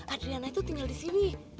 adriana itu tinggal di sini